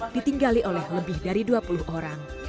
ditinggali oleh lebih dari dua puluh orang